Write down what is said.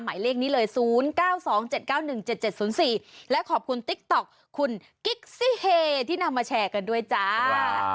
หมายเลขนี้เลย๐๙๒๗๙๑๗๗๐๔และขอบคุณติ๊กต๊อกคุณกิ๊กซี่เฮที่นำมาแชร์กันด้วยจ้า